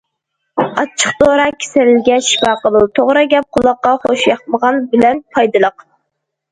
ئاچچىق دورا كېسەلگە شىپا قىلىدۇ، توغرا گەپ قۇلاققا خۇشياقمىغان بىلەن پايدىلىق.